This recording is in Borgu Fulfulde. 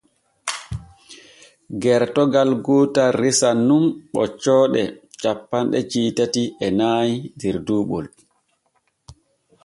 Gertogal gootal resan nun ɓoccooɗe cappanɗe jeetati e nay der duuɓol.